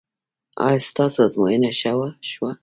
ایا ستاسو ازموینه ښه شوه؟